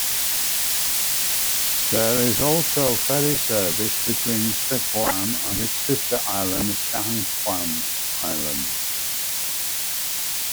There is also ferry service between Xiachuan and its sister island Shangchuan Island.